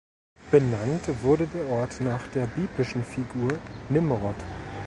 Benannt wurde der Ort nach der biblischen Figur Nimrod.